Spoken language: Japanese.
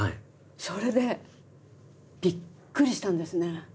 それでびっくりしたんですね。